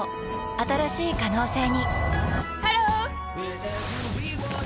新しい可能性にハロー！